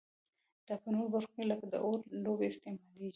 دا په نورو برخو کې لکه د اور لوبې استعمالیږي.